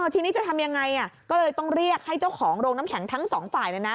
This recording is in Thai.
ทีนี้จะทำยังไงก็เลยต้องเรียกให้เจ้าของโรงน้ำแข็งทั้งสองฝ่ายเลยนะ